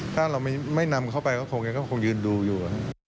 ถ้าเราไม่นำเข้าไปก็คงยืนดูอยู่